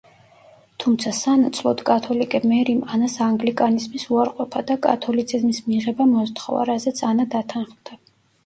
თუმცა სანაცვლოდ კათოლიკე მერიმ ანას ანგლიკანიზმის უარყოფა და კათოლიციზმის მიღება მოსთხოვა, რაზეც ანა დათანხმდა.